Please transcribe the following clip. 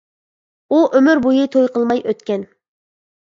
ئۇ ئۆمۈر بويى توي قىلماي ئۆتكەن.